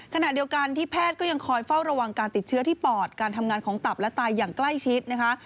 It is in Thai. ขณะเดียวกันที่แพทย์ก็ยังคอยเฝ้าระวังการติดเชื้อที่ปอดการทำงานของตับและตายอย่างใกล้ชิดนะคะ